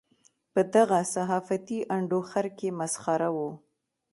په دغه صحافتي انډوخر کې مسخره وو.